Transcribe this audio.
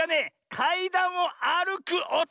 かいだんをあるくおと！